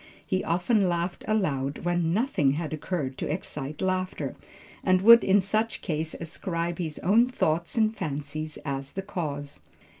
He often laughed aloud when nothing had occurred to excite laughter, and would in such case ascribe his own thoughts and fancies as the cause.